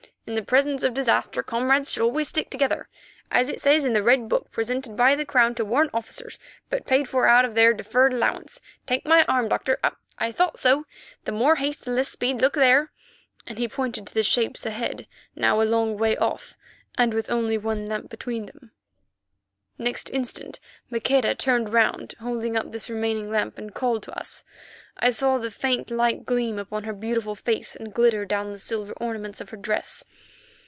In the presence of disaster comrades should always stick together, as it says in the Red book presented by the crown to warrant officers, but paid for out of their deferred allowance. Take my arm, Doctor. Ah! I thought so, the more haste the less speed. Look there," and he pointed to the flying shapes ahead, now a long way off, and with only one lamp between them. Next instant Maqueda turned round holding up this remaining lamp and called to us. I saw the faint light gleam upon her beautiful face and glitter down the silver ornaments of her dress.